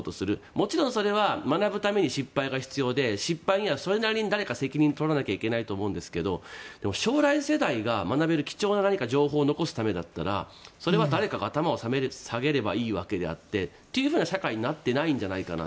もちろんそれは学ぶために失敗が必要で失敗にはそれなりに誰かが責任を取らないといけないと思うんですが将来世代が学べる貴重な情報を残すためだったらそれは誰かが頭を下げればいいわけであってという社会になってないんじゃないかなと。